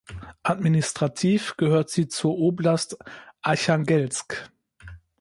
Administrativ gehört sie zur Oblast Archangelsk.